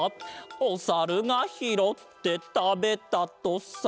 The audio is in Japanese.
「おさるがひろってたべたとさ」